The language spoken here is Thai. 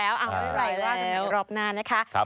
เอาเรียบร้อยว่าจะมีกันรอบหน้านะคะ